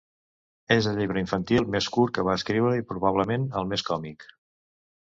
És el llibre infantil més curt que va escriure i probablement el més còmic.